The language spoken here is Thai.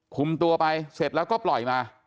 คุมตัวไปเสร็จแล้วก็ปล่อยมา